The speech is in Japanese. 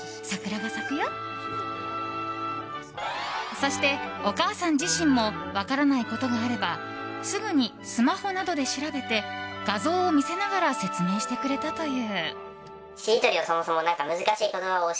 そして、お母さん自身も分からないことがあればすぐにスマホなどで調べて画像を見せながら説明してくれたという。